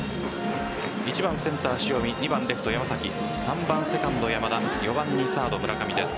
１番センター・塩見２番レフト・山崎３番セカンド・山田４番にサード・村上です。